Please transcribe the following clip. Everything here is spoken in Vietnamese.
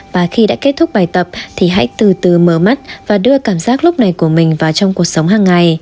và khi đã kết thúc bài tập thì hãy từ từ mờ mắt và đưa cảm giác lúc này của mình vào trong cuộc sống hàng ngày